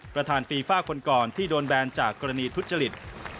ประธานฟีฟ้าคนก่อนที่โดนแบนด์จากกรณีทุจจลิต